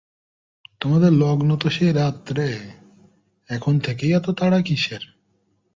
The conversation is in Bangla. তোমাদের লগ্ন তো সেই রাত্রে–এখন থেকেই এত তাড়া কিসের!